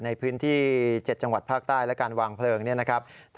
ในพื้นที่๗จังหวัดภาคใต้และการวางเพลิงเนี่ยนะครับ